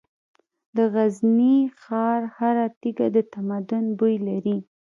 د غزني ښار هره تیږه د تمدن بوی لري.